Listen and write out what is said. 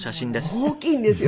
大きいんですよ。